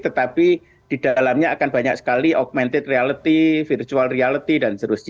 tetapi di dalamnya akan banyak sekali augmented reality virtual reality dan seterusnya